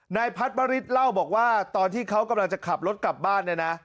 นายพัดวริสเล่าบอกว่าตอนที่เขากำลังจะขับรถกลับบ้านเนี่ยนะ